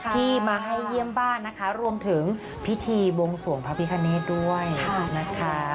ที่มาให้เยี่ยมบ้านนะคะรวมถึงพิธีบวงสวงพระพิคเนธด้วยนะคะ